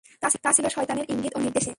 তা ছিল শয়তানের ইংগিত ও নির্দেশে।